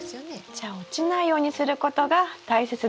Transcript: じゃあ落ちないようにすることが大切ですね。